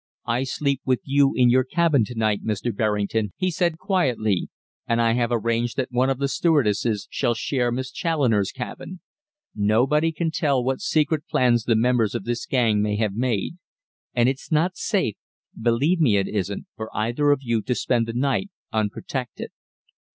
"I sleep with you in your cabin to night, Mr. Berrington," he said quietly. "And I have arranged that one of the stewardesses shall share Miss Challoner's cabin. Nobody can tell what secret plans the members of this gang may have made, and it's not safe, believe me it isn't, for either of you to spend the night unprotected.